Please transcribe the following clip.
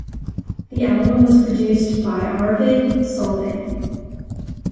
The album was produced by Arvid Solvang.